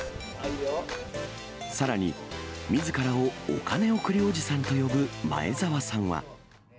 さらに、みずからをお金贈りおじさんと呼ぶ前澤さんは。